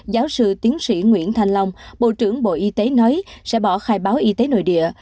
giáo sư tiến sĩ nguyễn thanh long bộ trưởng bộ y tế nói sẽ bỏ khai báo y tế nội địa